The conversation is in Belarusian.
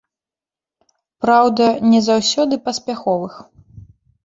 Праўда, не заўсёды паспяховых.